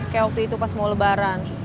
kayak waktu itu pas mau lebaran